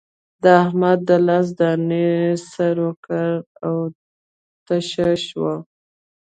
د احمد د لاس دانې سر وکړ او تشه شوه.